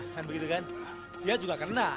kan begitu kan dia juga kena